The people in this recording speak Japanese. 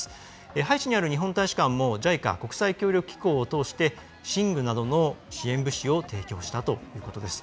ハイチにある日本大使館もＪＩＣＡ＝国際協力機構を通じて寝具などの支援物資を提供したということです。